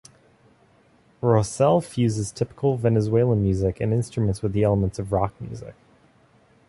Rosell fuses typical Venezuelan music and instruments with elements of rock music.